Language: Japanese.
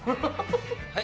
はい？